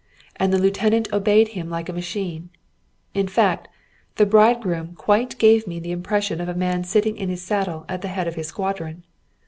And the lieutenant obeyed him like a machine. In fact, the bridegroom quite gave me the impression of a man sitting in his saddle at the head of his squadron.